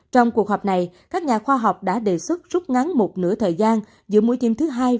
trong cuộc họp này các nhà khoa học đã đề xuất rút ngắn một nửa thời gian giữa mũi thêm thứ hai